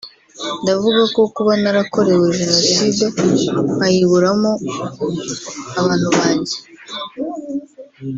Ndavuga ko kuba narakorewe Jenoside nkayiburamo abantu banjye